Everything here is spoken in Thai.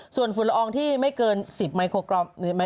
ส่วนฝุ่นละอองที่ไม่เกิน๑๐ไมโครกรัม